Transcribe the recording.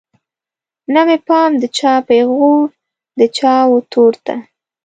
نه مې پام د چا پیغور د چا وتور ته